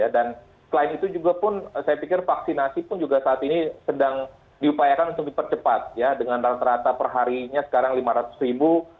dan selain itu juga pun saya pikir vaksinasi saat ini diupayakan untuk lebih percepat dengan rata rata perharinya sekarang lima ratus ribu